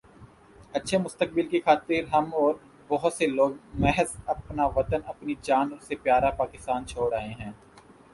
اچھے مستقبل کی خاطر ہم اور بہت سے لوگ محض اپنا وطن اپنی جان سے پیا را پاکستان چھوڑ آئے ہیں